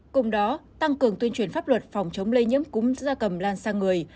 cùng đó tăng cường tuyên truyền pháp luật phòng chống lây nhiễm cúm gia cầm lan sang người